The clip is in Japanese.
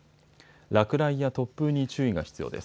落雷や突風に注意が必要です。